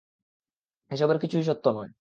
এসবের কিছুই সত্য নয়।